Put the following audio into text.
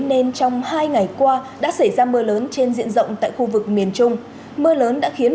nên trong hai ngày qua đã xảy ra mưa lớn trên diện rộng tại khu vực miền trung mưa lớn đã khiến